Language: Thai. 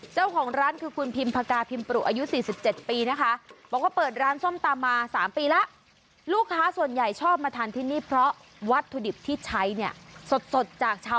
เจ้าของร้านคือคุณพิมพกาพิมปรุอายุ๔๗ปีนะคะ